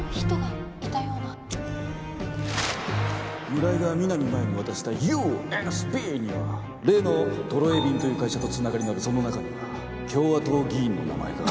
村井が南真衣に渡したＵＳＢには例のトロエビンという会社と繋がりのあるその中には共和党議員の名前が。